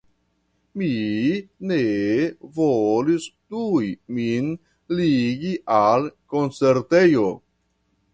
Mi ne volis tuj min ligi al koncertejo.